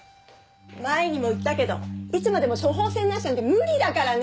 前にも言ったけどいつまでも処方箋なしなんて無理だからね！